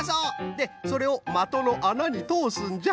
でそれをまとのあなにとおすんじゃ。